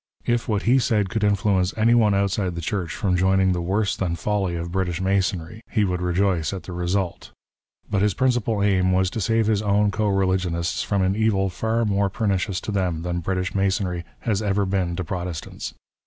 If what he said could influence anyone outside the Church from joining the worse than folly of British Masonry, he would rejoice at the result ; but his principal aim was to save his own co religionists from an evil far more pernicious to them than British Masonry has ever been to Protestants.